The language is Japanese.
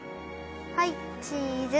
はいチーズ！